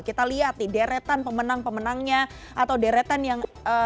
kita lihat nih deretan pemenang pemenangnya atau deretan yang jauh lebih besar